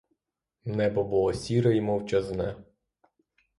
Небо було сіре й мовчазне.